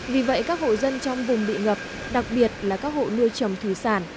vì vậy các hồ dân trong vùng bị ngập đặc biệt là các hồ nuôi trầm thủy sản